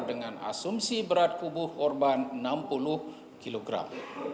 dengan asumsi berat tubuh korban enam puluh kilogram